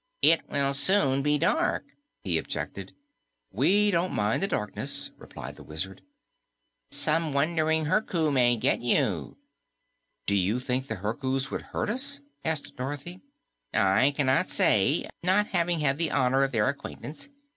"It will soon be dark," he objected. "We don't mind the darkness," replied the Wizard. "Some wandering Herku may get you." "Do you think the Herkus would hurt us?" asked Dorothy. "I cannot say, not having had the honor of their acquaintance.